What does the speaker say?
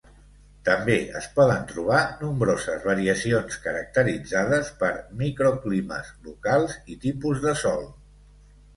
També es poden trobar nombroses variacions caracteritzades per microclimes locals i tipus de sòl.